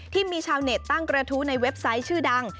ที่มีชาวเน็ตตั้งกระทู้ในเว็บไซต์ชื่อดัง